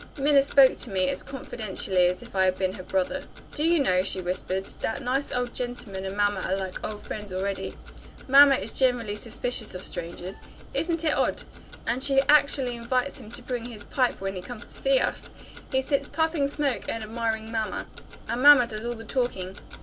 Minna spoke to me as confidentially as if I had been her brother. "Do you know," she whispered, "that nice old gentleman and mamma are like old friends already. Mamma is generally suspicious of strangers. Isn't it odd? And she actually invites him to bring his pipe when he comes to see us! He sits puffing smoke, and admiring mamma and mamma does all the talking.